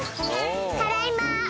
ただいま！